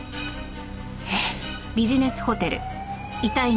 えっ！？